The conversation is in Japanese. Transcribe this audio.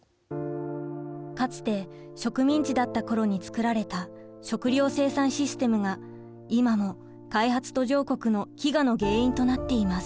かつて植民地だった頃につくられた食糧生産システムが今も開発途上国の飢餓の原因となっています。